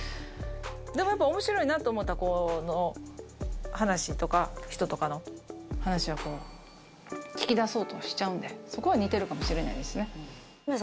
でもやっぱ面白いなと思った子の話とか人とかの話は聞き出そうとしちゃうんでそこは似てるかもしれないですね。